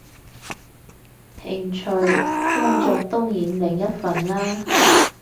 興趣，工作當然另一份啦